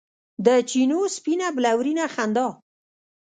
د چېنو سپینه بلورینه خندا